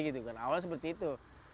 awalnya seperti itu